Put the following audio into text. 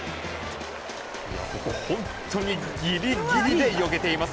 本当にギリギリでよけています。